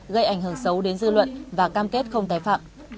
gây ảnh hưởng xấu đến dư luận và cam kết không tái phạm